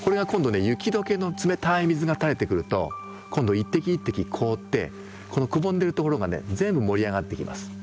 雪どけの冷たい水がたれてくると今度一滴一滴凍ってこのくぼんでる所がね全部盛り上がってきます。